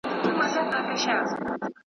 درزهار وو د توپکو د توپونو .